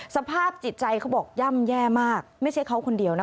สภาพจิตใจเขาบอกย่ำแย่มากไม่ใช่เขาคนเดียวนะ